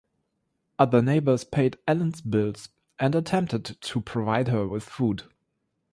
Other neighbors paid Allen's bills and attempted to provide her with food.